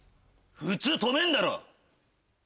普通止めんだろ！